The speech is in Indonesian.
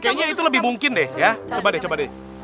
kayaknya itu lebih mungkin deh ya coba deh coba deh